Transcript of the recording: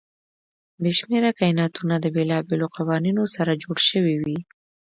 بې شمېره کایناتونه د بېلابېلو قوانینو سره جوړ شوي وي.